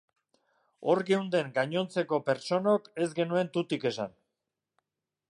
Hor geunden gainontzeko pertsonok ez genuen tutik esan.